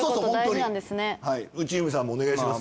内海さんもお願いします。